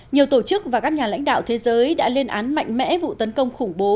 nhiều tổ chức và các nhà lãnh đạo thế giới đã lên án mạnh mẽ vụ tấn công khủng bố